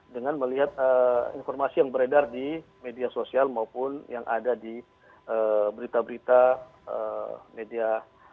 dengan melihat informasi yang beredar di media sosial maupun yang ada di berita berita media